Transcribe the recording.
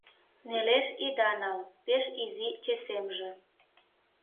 Нелеш ида нал — пеш изи чесемже